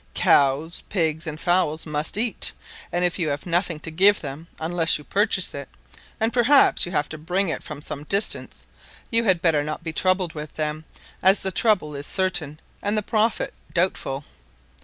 Cows, pigs, and fowls must eat, and if you have nothing to give them unless you purchase it, and perhaps have to bring it from some distance, you had better not be troubled with them, as the trouble is certain and the profit doubtful.